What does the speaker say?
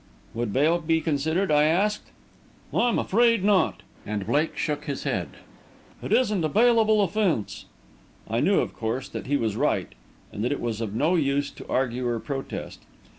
"Would bail be considered?" I asked. "I'm afraid not," and Blake shook his head. "It isn't a bailable offence." I knew, of course, that he was right and that it was of no use to argue or protest.